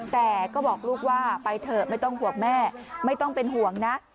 แต่ก็บอกลูกว่าไปเถอะไม่ต้องห่วงแม่ไม่ต้องเป็นห่วงนะ